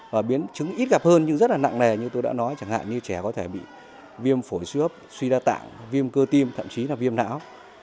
và biến chứng ít gặp hơn nhưng rất là nặng nề như tôi đã nói chẳng hạn như trẻ có thể bị viêm phổi xuy hấp suy đa tạng viêm cơ tim thậm chí là viêm não